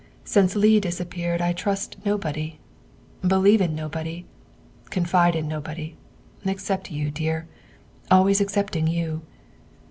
Since Leigh disappeared I trust nobody, believe in nobody, confide in nobody except you, dear, always excepting you."